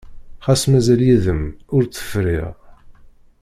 Xas mazal yid-m ur tt-friɣ.